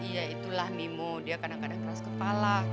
ya itulah mimu dia kadang kadang keras kepala